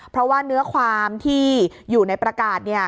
เพราะว่าเนื้อความที่อยู่ในประกาศ